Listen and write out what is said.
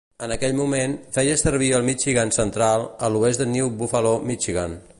En aquell moment, feia servir el Michigan Central, a l'oest de New Buffalo, Michigan.